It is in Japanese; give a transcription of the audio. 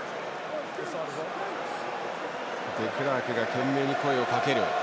デクラークが懸命に声をかける。